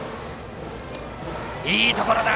いいところだ！